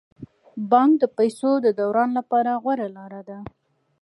بانک د پيسو د دوران لپاره غوره لاره ده.